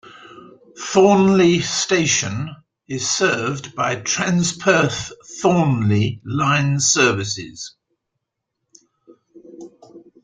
Thornlie station is served by Transperth Thornlie line services.